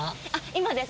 今です